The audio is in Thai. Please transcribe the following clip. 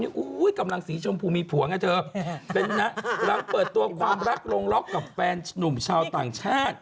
อุ้ยกำลังสีชมพูมีผัวไงเธอเป็นนะหลังเปิดตัวความรักลงล็อกกับแฟนหนุ่มชาวต่างชาติ